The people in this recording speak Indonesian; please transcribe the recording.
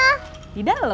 saya sudah gak ada di sana